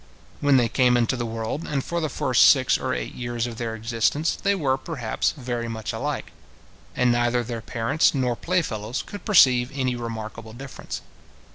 When they came in to the world, and for the first six or eight years of their existence, they were, perhaps, very much alike, and neither their parents nor play fellows could perceive any remarkable difference.